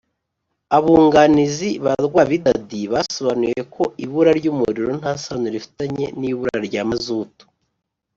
Abunganizi ba Rwabidadi basobanuye ko ibura ry’umuriro nta sano rifitanye n’ibura rya mazutu